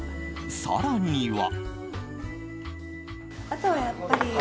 更には。